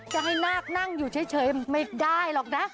จะให้นาคนั่งอยู่เฉยไม่ได้หรอกนะ